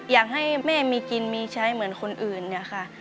อยากให้แม่มีกินมีใช้เหมือนคนอื่นเนี่ยค่ะ